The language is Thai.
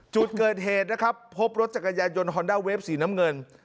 จุดเกิดเหตุนะครับพบรถจักรยานยนต์ฮอนด้าเวฟสีน้ำเงิน